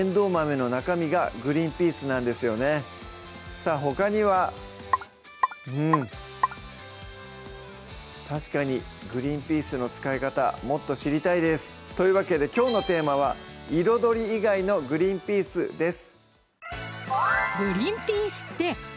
さぁほかにはうん確かにグリンピースの使い方もっと知りたいですというわけできょうのテーマは「彩り以外のグリンピース」です